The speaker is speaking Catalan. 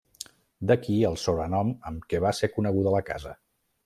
D'aquí el sobrenom amb què va ser coneguda la casa.